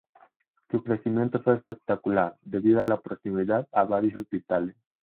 Su crecimiento fue espectacular debido a la proximidad a varios hospitales.